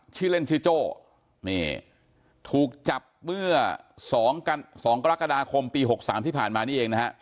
ชื่อเล่นชื่อโจ้นี่ถูกจับเมื่อ๒กรกฎาคมปี๖๓ที่ผ่านมานี่เองนะฮะ